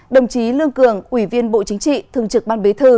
đồng chí lương cường ủy viên bộ chính trị thường trực ban bế thư